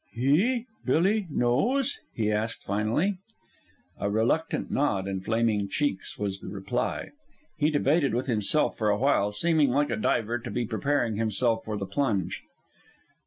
"He Billy knows?" he asked finally. A reluctant nod and flaming cheeks was the reply. He debated with himself for a while, seeming, like a diver, to be preparing himself for the plunge.